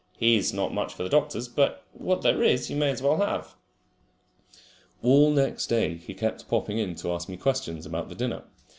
He has not much for the doctors, but what there is you may as well have." All next day he kept popping in to ask me questions about the dinner.